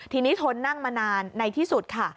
ทีนี้ทนนั่งมานานในที่สุดค่ะ